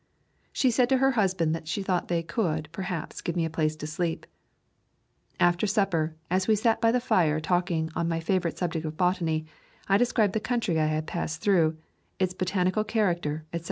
She said to her husband that she thought they could, perhaps, give me a place to sleep. After supper, as we sat by the fire talking on my favorite subject of botany, I described the country I had passed through, its botani cal character, etc.